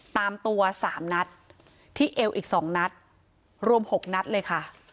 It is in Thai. ตามตัวสามนัดที่เอวอีก๒นัดรวม๖นัดเลยค่ะ